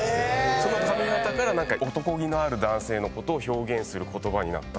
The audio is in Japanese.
その髪形からおとこ気のある男性のことを表現する言葉になったんで。